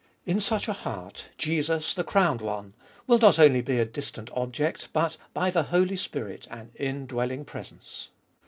In such a heart Jesus, the crowned One, will not only be a distant object, but, by the Holy Spirit, an indwelling presence.